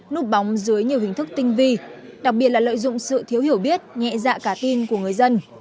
núp bóng dưới nhiều hình thức tinh vi đặc biệt là lợi dụng sự thiếu hiểu biết nhẹ dạ cả tin của người dân